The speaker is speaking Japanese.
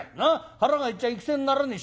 腹が減っちゃ戦にならねえ。